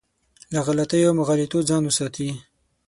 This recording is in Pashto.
له غلطیو او مغالطو ځان وساتي.